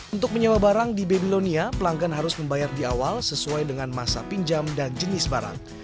untuk menyewa barang di babylonia pelanggan harus membayar di awal sesuai dengan masa pinjam dan jenis barang